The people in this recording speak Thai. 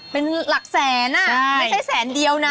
เป็นหลักแสนไม่ใช่แสนเดียวนะ